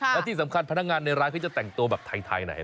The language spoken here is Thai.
และที่สำคัญพนักงานในร้านเค้าจะแต่งตัวแบบไทยน่ะเห็นไหม